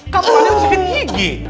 kamu pak deh harus bikin gigi